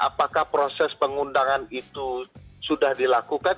apakah proses pengundangan itu sudah dilakukan